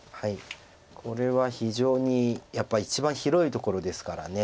これは非常にやっぱり一番広いところですから。